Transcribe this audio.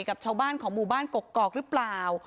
กับชาวบ้านของหมู่บ้านกกอกหรือเปล่า